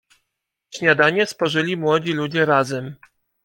"Śniadanie spożyli młodzi ludzie razem."